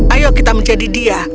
ayo kita menjadi dia